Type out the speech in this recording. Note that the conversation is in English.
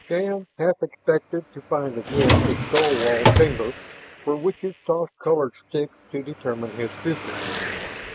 Shann half expected to find again a skull walled chamber where witches tossed colored sticks to determine his future.